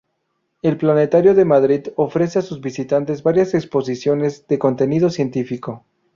El Planetario de Madrid ofrece a sus visitantes varias exposiciones de contenido científico.